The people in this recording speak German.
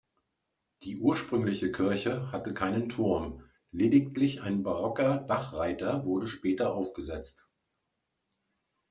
Die ursprüngliche Kirche hatte keinen Turm, lediglich ein barocker Dachreiter wurde später aufgesetzt.